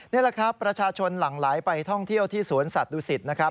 นี่แหละครับประชาชนหลั่งไหลไปท่องเที่ยวที่สวนสัตวศิษฐ์นะครับ